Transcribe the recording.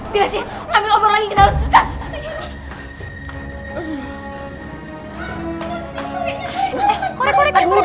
biasanya ambil obor lagi ke dalam